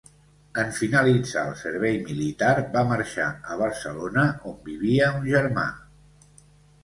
En finalitzar el servei militar va marxar a Barcelona, on vivia un germà.